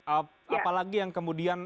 apalagi yang kemudian